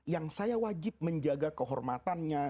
yang saya wajib menjaga kehormatannya